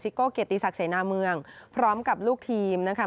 โก้เกียรติศักดิเสนาเมืองพร้อมกับลูกทีมนะคะ